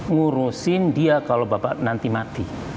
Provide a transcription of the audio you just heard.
ngurusin dia kalau bapak nanti mati